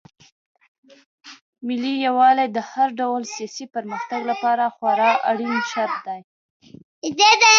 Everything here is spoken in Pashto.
ملي يووالی د هر ډول سياسي پرمختګ لپاره خورا اړين شرط دی.